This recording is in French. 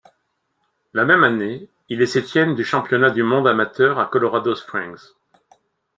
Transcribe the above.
La même année, il est septième du championnat du monde amateur à Colorado Springs.